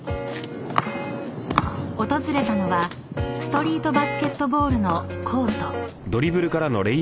［訪れたのはストリートバスケットボールのコート］